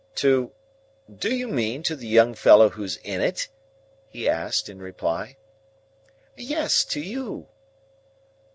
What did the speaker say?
"To—do you mean to the young fellow who's in it?" he asked, in reply. "Yes; to you."